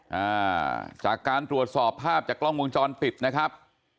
อ่าจากการตรวจสอบภาพจากกล้องวงจรปิดนะครับ